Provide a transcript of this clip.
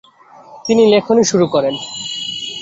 তিনি লেখনী শুরু করেন।